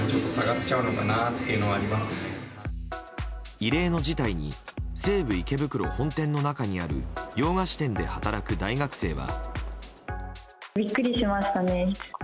異例の事態に西武池袋本店の中にある洋菓子店で働く大学生は。